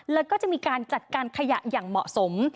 แล้วก็จะมีการจัดการขยะอย่างเหมาะสม